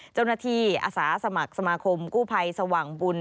จำหน้าที่อาสาสมัครสมาคมกู้ภัยสว่างบุญ